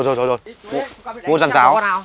rồi rồi rời